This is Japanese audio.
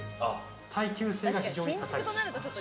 耐久性が非常に高い。